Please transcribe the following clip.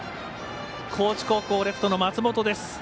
高知高校、レフトの松本です。